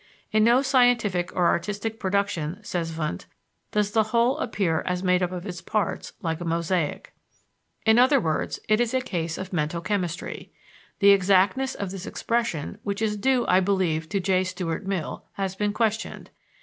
In no scientific or artistic production, says Wundt, does the whole appear as made up of its parts, like a mosaic." In other words, it is a case of mental chemistry. The exactness of this expression, which is due, I believe, to J. Stuart Mill, has been questioned.